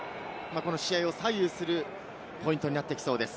試合を左右するポイントになってきそうです。